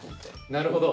なるほど！